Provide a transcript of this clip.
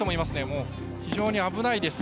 もう、非常に危ないです